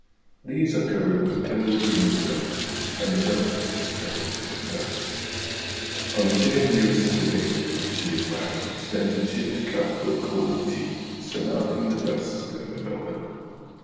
These are covered with pale green velvet, and the velvet is covered with dust. On the chair nearest to the table at which he is writing stands a chipped cup of cold tea, surmounting the dust and the velvet.